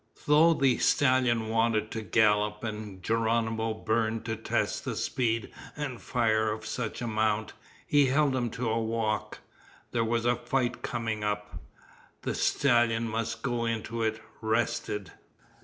Though the stallion wanted to gallop and Geronimo burned to test the speed and fire of such a mount, he held him to a walk. There was a fight coming up. The stallion must go into it rested.